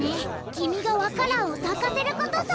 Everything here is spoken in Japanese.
きみがわか蘭をさかせることさ！